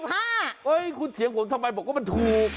เฮ้ยคุณเถียงผมทำไมบอกว่ามันถูก